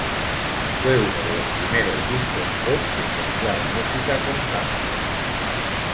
Fue uno de los primeros discos pop en mezclar música con samplers.